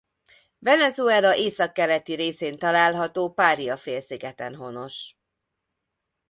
Venezuela északkeleti részén található Paria-félszigeten honos.